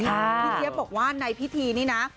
เจี๊ยบบอกว่าในพิธีนี้นะ